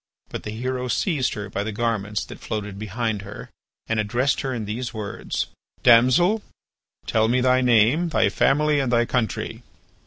But the hero seized her by the garments that floated behind her, and addressed her in these words: "Damsel, tell me thy name, thy family and thy country."